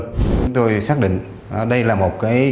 chúng tôi xác định đây là một cái